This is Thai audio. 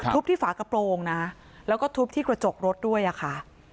ที่ฝากระโปรงนะแล้วก็ทุบที่กระจกรถด้วยอะค่ะ